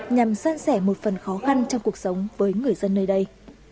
nhằm san sẻ một phần khó khăn trong cuộc sống với người dân nơi đây